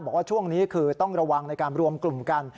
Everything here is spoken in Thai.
บอกว่าช่วงนี้คือต้องระวังในการรวมกลุ่มกัน